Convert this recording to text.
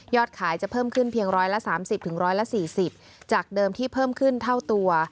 ขายจะเพิ่มขึ้นเพียง๑๓๐๑๔๐จากเดิมที่เพิ่มขึ้นเท่าตัว